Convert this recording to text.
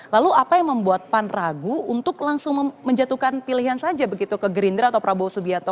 lalu apa yang membuat pan ragu untuk langsung menjatuhkan pilihan saja begitu ke gerindra atau prabowo subianto